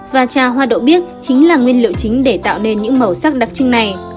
và trà hoa đậu chính là nguyên liệu chính để tạo nên những màu sắc đặc trưng này